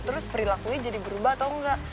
terus perilakunya jadi berubah atau enggak